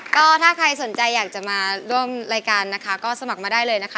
ก็ถ้าใครสนใจอยากจะมาร่วมรายการนะคะก็สมัครมาได้เลยนะคะ